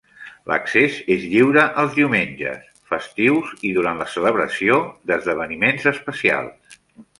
L'accés és lliure els diumenges, festius i durant la celebració d'esdeveniments especials.